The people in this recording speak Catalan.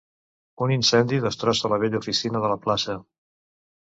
Un incendi destrossa la vella oficina de la plaça.